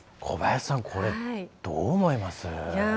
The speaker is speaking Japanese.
小林さんこれどう思います？